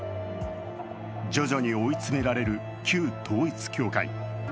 徐々に追い詰められる旧統一教会。